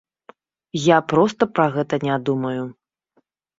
Я проста пра гэта не думаю.